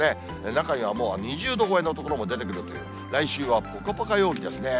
中にはもう２０度超えの所も出てくるという、来週はぽかぽか陽気ですね。